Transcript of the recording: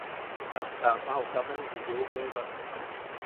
Ajta ama joʼakame juni yeu bebak.